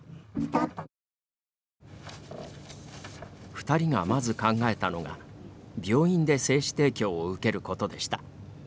２人がまず考えたのが病院で精子提供を受けることでした。